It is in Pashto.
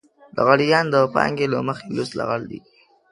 لغړيان د پانګې له مخې لوڅ لغړ دي.